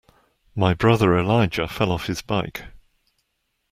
My brother Elijah fell off his bike.